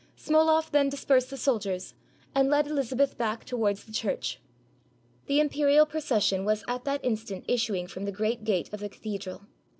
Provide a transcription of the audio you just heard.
Smoloff then dispersed the soldiers, and led Elizabeth back towards the church. The imperial procession was at that instant issuing from the great gate of the cathedral.